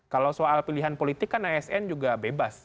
kalau soal pilihan politik kan asn juga bebas